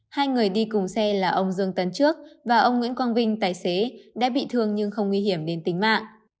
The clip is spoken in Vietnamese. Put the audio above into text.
hai người đi cùng xe là ông dương tấn trước và ông nguyễn quang vinh tài xế đã bị thương nhưng không nguy hiểm đến tính mạng